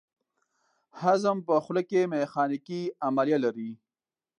هضم په خوله کې میخانیکي عملیه لري.